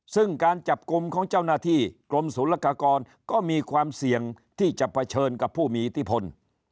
ซึ่งการจับกลุ่มของเจ้าหน้าที่กรมศูนย์ละกากรก็มีความเสี่ยงที่จะเผชิญกับผู้มีอิทธิพล